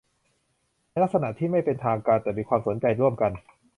ในลักษณะที่ไม่เป็นทางการแต่มีความสนใจร่วมกัน